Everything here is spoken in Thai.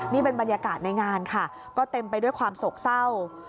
นี่เป็นบรรยากาศในงานค่ะก็เต็มไปด้วยความโศกเศร้า